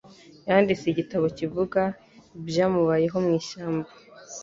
Yanditse igitabo kivuga ibyamubayeho mwishyamba.